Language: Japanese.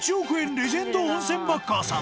レジェンド温泉バッカーさん